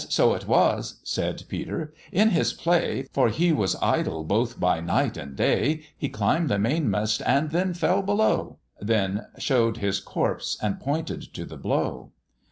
so it was" said Peter, "in his play, (For he was idle both by night and day,) He climb'd the main mast and then fell below;" Then show'd his corpse, and pointed to the blow.